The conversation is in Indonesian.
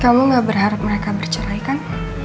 kamu gak berharap mereka bercerai kan